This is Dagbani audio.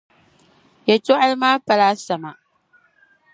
Yɛltɔɣili maa pala asama.